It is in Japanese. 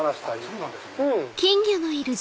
そうなんですね。